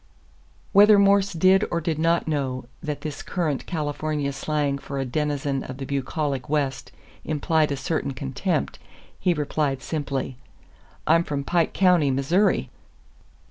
Whether Morse did or did not know that this current California slang for a denizen of the bucolic West implied a certain contempt, he replied simply: "I'm from Pike County, Mizzouri."